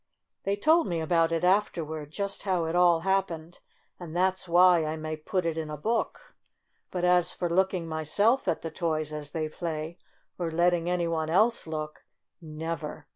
They told me about it afterward — just how it all hap pened — and that's why I may put it in a book. But as for looking myself at the toys as they play, or letting any one else look — never